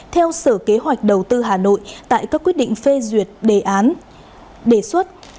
theo sở kế hoạch đầu tư hà nội tại các quyết định phê duyệt đề xuất